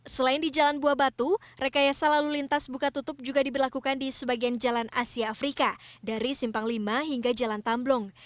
selain di jalan buah batu rekayasa lalu lintas buka tutup juga diberlakukan di sebagian jalan asia afrika dari simpang lima hingga jalan tamblong